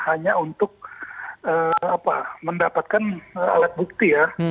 hanya untuk mendapatkan alat bukti ya